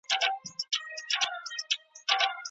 که منطق نه وي نو لیکنه خندوونکې کیږي.